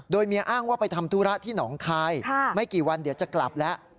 โดยเมียอ้างว่าไปทำธุระที่หนองคายไม่กี่วันเดี๋ยวจะกลับแล้ว